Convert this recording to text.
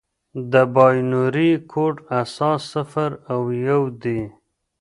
د بایونري کوډ اساس صفر او یو دي.